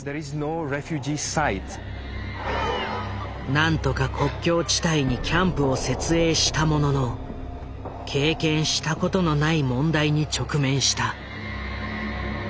何とか国境地帯にキャンプを設営したものの経験したことのない問題に直面した。